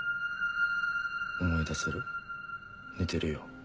思い出せる似てるよ